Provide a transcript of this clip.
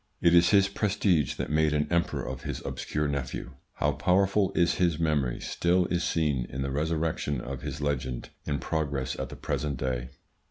It is his prestige that made an emperor of his obscure nephew. How powerful is his memory still is seen in the resurrection of his legend in progress at the present day.